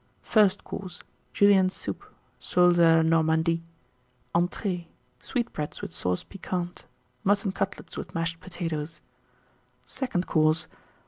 FIRST COURSE. Julienne Soup. Soles à la Normandie. ENTREES. Sweetbreads, with Sauce Piquante. Mutton Cutlets, with Mashed Potatoes. SECOND COURSE.